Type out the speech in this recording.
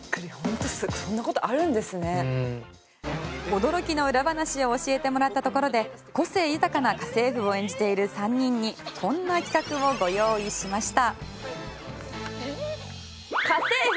驚きの裏話を教えてもらったところで個性豊かな家政婦を演じている３人にこんな企画をご用意しました。